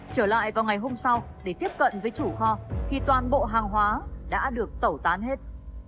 trở lại vào ngày hôm sau để tiếp cận với chủ kho thì toàn bộ hàng hóa đã được tẩu tán hết